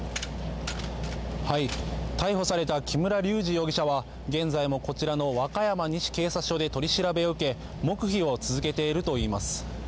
逮捕された木村隆二容疑者は現在もこちらの和歌山西警察署で取り調べを受け黙秘を続けているといいます。